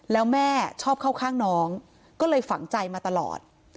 แล้วแม่ชอบเข้าข้างน้องก็เลยฝังใจมาตลอด